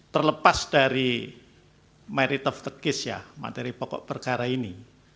terlepas dari marit of the case ya materi pokok perkara ini